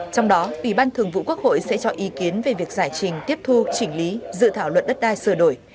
trong đó ủy ban thường vụ quốc hội sẽ cho ý kiến về việc giải trình tiếp thu chỉnh lý dự thảo luật đất đai sửa đổi